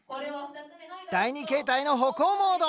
第２形態の歩行モード！